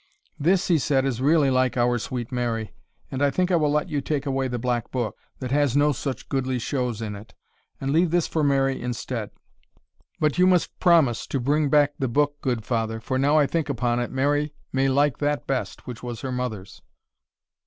"This," he said, "is really like our sweet Mary; and I think I will let you take away the black book, that has no such goodly shows in it, and leave this for Mary instead. But you must promise to bring back the book, good father for now I think upon it, Mary may like that best which was her mother's."